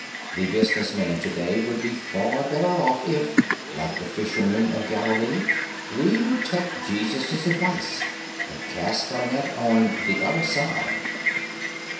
The business men to day would be far better off if like the fishermen of Galilee we would take Jesus' advice and cast our net on "the other side."